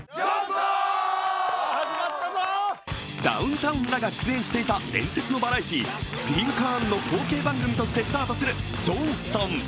ダウンタウンらが出演していた伝説のバラエティー、「リンカーン」の後継番組としてスタートする「ジョンソン」。